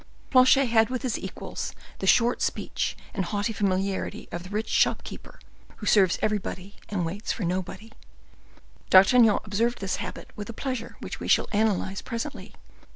Planchet had with his equals the short speech and haughty familiarity of the rich shopkeeper who serves everybody and waits for nobody. D'Artagnan observed this habit with a pleasure which we shall analyze presently.